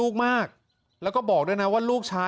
พ่อไปฟังหน่อยครับ